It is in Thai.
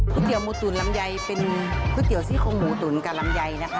ก๋วยเตี๋ยวหมูตูนลำไยเป็นก๋วยเตี๋ยวซี่โครงหมูตูนกะลำไยนะคะ